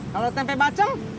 kalau tempe bacem